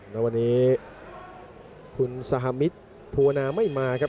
แล้ววันนี้คุณสะฮามิชภูมาน่ะไม่มาครับ